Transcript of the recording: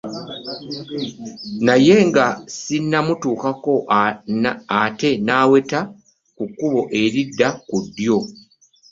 Naye nga sinnakituukako ate naweta ku kkubo eridda ku ddyo.